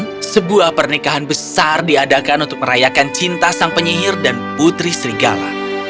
ini sebuah pernikahan besar diadakan untuk merayakan cinta sang penyihir dan putri serigala